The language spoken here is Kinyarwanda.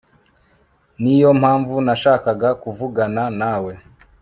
niyo mpamvu nashakaga kuvugana nawe